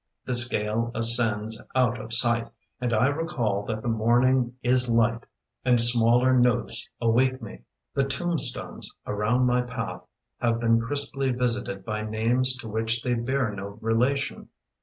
The scale ascends out of sight And I recall that the morning is light And smaller notes await me. The tomb stones around my path Have been crisply visited by names To which they bear no relation.